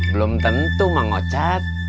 belum tentu mang ocat